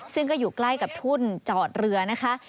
ซึ่งก็อยู่ใกล้กับทุ่นจอดเรือนะคะ